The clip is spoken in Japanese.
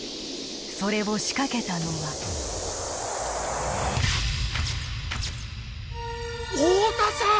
それを仕掛けたのは太田さん！